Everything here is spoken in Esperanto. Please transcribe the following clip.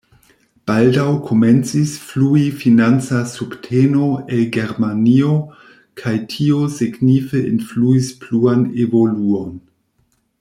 Baldaŭ komencis flui financa subteno el Germanio kaj tio signife influis pluan evoluon.